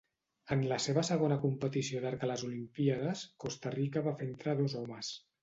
En la seva segona competició d'arc a les Olimpíades, Costa Rica va fer entrar dos homes.